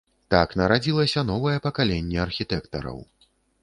Так нарадзілася новае пакаленне архітэктараў.